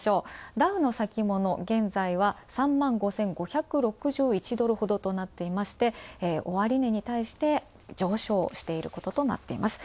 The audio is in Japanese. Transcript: ダウの先物、現在は３万５５６１ドルほどどなってまして、終値に対して、上昇していることとなっています。